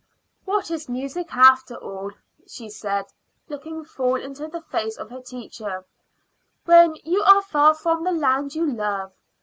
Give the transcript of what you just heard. "What is music, after all," she said, looking full into the face of her teacher, "when you are far from the land you love?